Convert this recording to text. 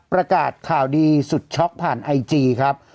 ประกาศข่าวดีสุดช็อกผ่านไอจีครับ